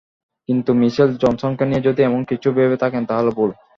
কিন্তু মিচেল জনসনকে নিয়ে যদি এমন কিছু ভেবে থাকেন তাহলে ভুল।